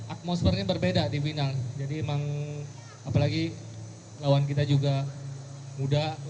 atmosfernya berbeda di winang jadi emang apalagi lawan kita juga muda kuat kita tahu